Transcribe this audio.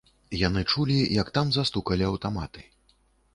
Яны чулі, як там застукалі аўтаматы.